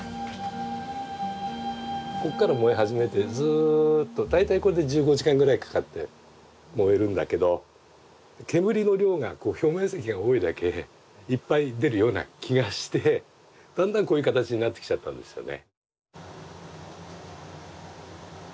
ここから燃え始めてずっと大体これで１５時間ぐらいかかって燃えるんだけど煙の量が表面積が多いだけいっぱい出るような気がしてだんだんこういう形になってきちゃったんですよね。